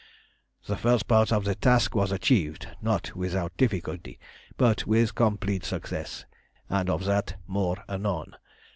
"The first part of the task was achieved, not without difficulty, but with complete success, and of that more anon.